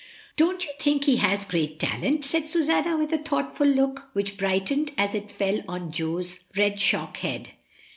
"Don't you think he has great talent?" said Susanna, with a thoughtful look, which brightened as it fell on Jo's red shock head.